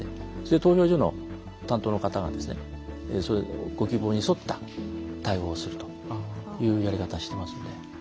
投票所の担当の方がご希望に沿った対応をするというやり方をしていますね。